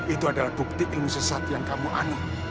itu adalah bukti ilmu sesat yang kamu aneh